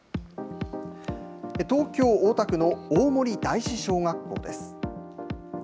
東京・大田区の大森第四小学校です。